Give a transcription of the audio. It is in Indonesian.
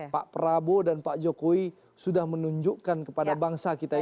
pak prabowo dan pak jokowi sudah menunjukkan kepada bangsa kita ini